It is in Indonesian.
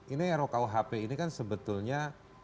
ini rukuhp ini kan sebetulnya